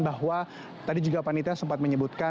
bahwa tadi juga panitia sempat menyebutkan